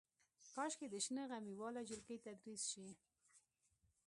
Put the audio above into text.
کاشکې د شنه غمي واله جلکۍ تدریس شي.